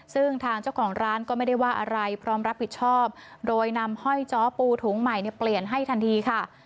ซึ่งทางเจ้าของร้านก็ไม่ได้ว่าอะไรพร้อมรับผิดชอบโดยนำห้อยจ้อปูถุงใหม่เนี่ยเปลี่ยนให้ทันทีค่ะ